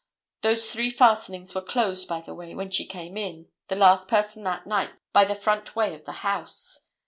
Those three fastenings were closed, by the way, when she came in, the last person that night by the front way of the house.